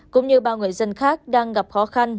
cũng như bao người dân khác đang gặp khó khăn